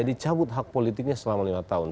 dicabut hak politiknya selama lima tahun